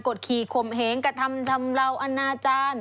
กฎขี่ขมเหงกระทำชำเลาอาณาจารย์